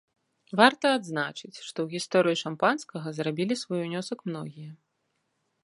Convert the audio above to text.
Варта адзначыць, што ў гісторыю шампанскага зрабілі свой унёсак многія.